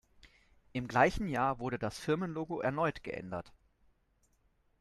Im gleichen Jahr wurde das Firmenlogo erneut geändert.